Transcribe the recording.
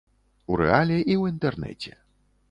У рэале і ў інтэрнэце.